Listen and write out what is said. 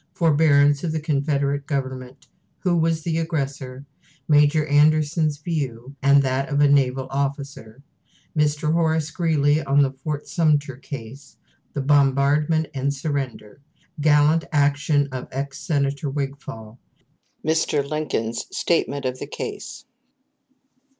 Forbearance of the Confederate Government. Who was the Aggressor? Major Anderson's View, and that of a Naval Officer. Mr. Horace Greeley on the Fort Sumter Case. The Bombardment and Surrender. Gallant Action of ex Senator Wigfall. Mr. Lincoln's Statement of the Case.